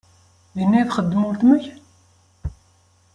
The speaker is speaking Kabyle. Din ay txeddem weltma-k?